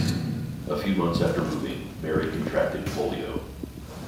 A few months after moving, Mary contracted polio.